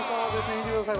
見てください